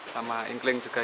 sama inkling juga itu